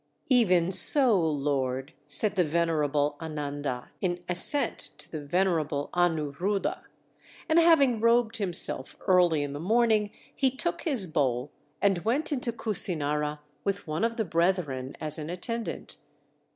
'" "Even so, Lord!" said the venerable Ananda, in assent to the venerable Anuruddha. And having robed himself early in the morning, he took his bowl, and went into Kusinara with one of the brethren as an attendant.